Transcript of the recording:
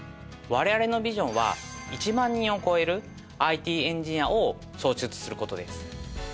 我々のビジョンは１万人を超えるＩＴエンジニアを創出する事です。